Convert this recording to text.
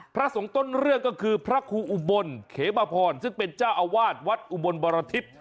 พระสงฆ์ต้นเรื่องก็คือพระครูอุบลเขมพรซึ่งเป็นเจ้าอาวาสวัดอุบลบรทิพย์